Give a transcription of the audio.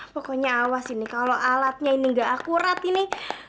pokoknya awas ini kalau alatnya ini gak akurat ini